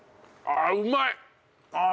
あうまいね。